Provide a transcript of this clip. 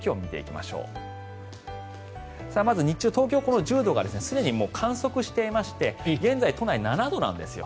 まず、日中、東京は１０度がもう観測してまして現在、都内は７度なんですよ。